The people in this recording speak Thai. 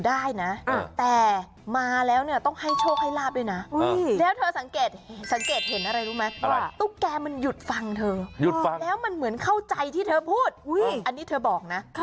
สังเกตเห็นน่ะเลยรู้ไหมว่าตุ๊กแกมันหยุดฟังเธอแล้วมันเหมือนเข้าใจที่เธอพูดอันนี้เธอบอกนะ